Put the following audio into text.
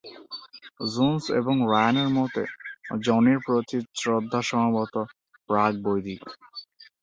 Jones এবং Ryan এর মতে, যোনির প্রতি শ্রদ্ধা সম্ভবত প্রাক-বৈদিক।